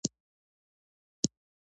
د ازادو څرخونو شمیر دی.